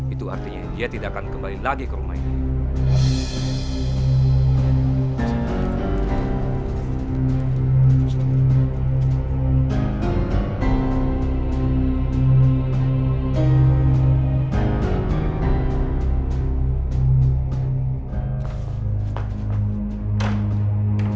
itu artinya dia tidak akan kembali lagi ke rumah ini